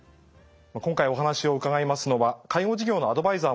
今回お話を伺いますのは介護事業のアドバイザーもされています